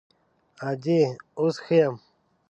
_ادې، اوس ښه يم.